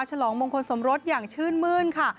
ฉลองมงคลสมรสอย่างชื่นมื้นค่ะ